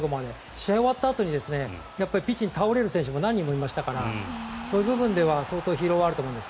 試合が終わったあとにピッチに倒れる選手も何人もいましたからそういう部分では相当疲労があると思います。